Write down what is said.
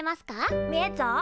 見えっぞ！